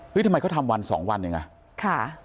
เฮ้ยทำไมเขาทำวัน๒วันอย่างนั้น